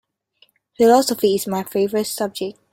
Philosophy is my favorite subject.